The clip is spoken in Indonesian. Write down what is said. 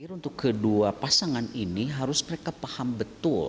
untuk kedua pasangan ini harus mereka paham betul